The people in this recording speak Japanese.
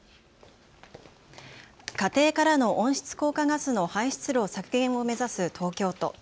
家庭からの温室効果ガスの排出量削減を目指す東京都。